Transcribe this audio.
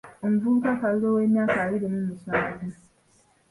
Omuvubuka Kalulu ow’emyaka abiri mu musanvu